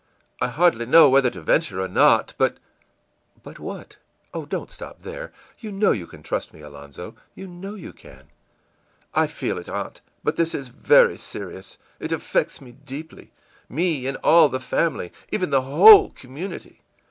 î ìI hardly know whether to venture or not, but î ìBut what? Oh, don't stop there! You know you can trust me, Alonzo you know, you can.î ìI feel it, aunt, but this is very serious. It affects me deeply me, and all the family even the whole community.